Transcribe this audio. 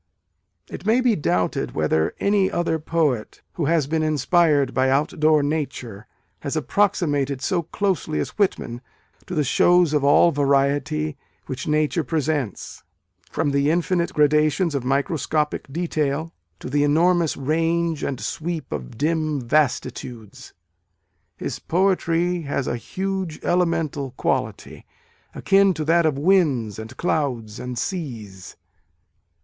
It may be doubted whether any other poet who has been inspired by outdoor Nature, has approximated so closely as Whitman to the " shows of all variety," which nature presents, from the infinite gradations of microscopic detail, to the enormous range and sweep of dim vastitudes. His poetry has a huge elemental quality, akin to that of winds and clouds and seas.